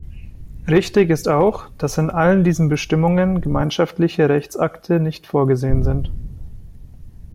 Richtig ist auch, dass in allen diesen Bestimmungen gemeinschaftliche Rechtsakte nicht vorgesehen sind.